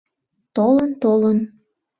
— Толын, толын.